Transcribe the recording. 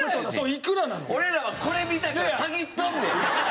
俺らはこれ見たからたぎっとんねん。